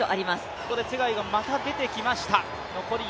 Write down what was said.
ここでツェガイがまた出てきました。